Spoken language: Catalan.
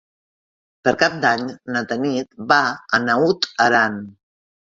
Per Cap d'Any na Tanit va a Naut Aran.